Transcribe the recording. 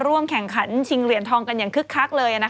ร่วมแข่งขันชิงเหรียญทองกันอย่างคึกคักเลย